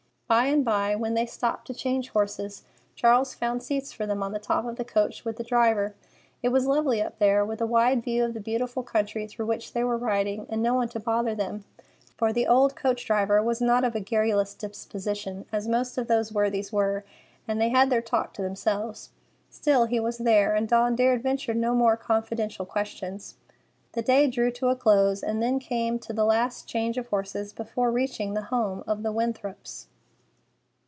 By and by, when they stopped to change horses, Charles found seats for them on the top of the coach with the driver. It was lovely up there, with a wide view of the beautiful country through which they were riding, and no one to bother them; for the old coach driver was not of a garrulous disposition, as most of those worthies were, and they had their talk to themselves. Still, he was there, and Dawn dared venture no more confidential questions. The day drew to a close, and they came to the last change of horses before reaching the home of the Winthrops.